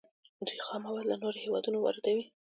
دوی خام مواد له نورو هیوادونو واردوي.